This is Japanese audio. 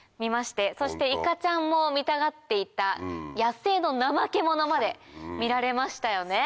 そしていかちゃんも見たがっていた野生のナマケモノまで見られましたよね。